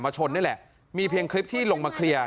ชนนี่แหละมีเพียงคลิปที่ลงมาเคลียร์